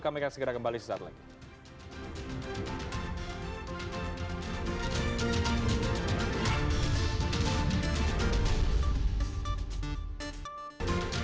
kami akan segera kembali sesaat lagi